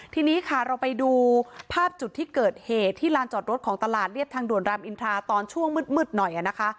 ทีนี้ค่ะเราไปดูภาพจุดที่เกิดเหตุที่ลานจอดรถของตลาดเรียบทางด่วนรามอินทราตอนช่วงมืดหน่อยนะคะ